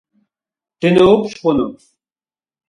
Dınoupş' xhunu?